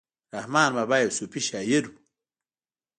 رحمان بابا يو صوفي شاعر وو.